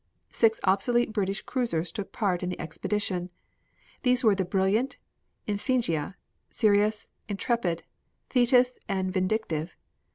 Six obsolete British cruisers took part in the expedition. These were the Brilliant, Iphigenia, Sirius, Intrepid, Thetis and Vindictive.